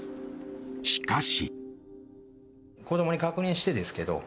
しかし。